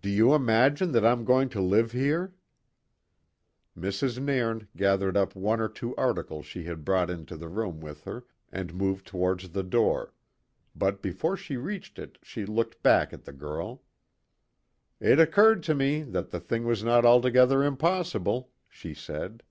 "Do you imagine that I'm going to live here?" Mrs. Nairn gathered up one or two articles she had brought into the room with her and moved towards the door, but before she reached it she looked back at the girl. "It occurred to me that the thing was no altogether impossible," she said.